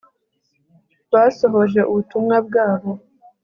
basohoje ubutumwa bwabo